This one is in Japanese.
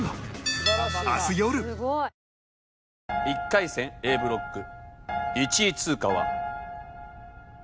１回戦Ａブロック１位通過は。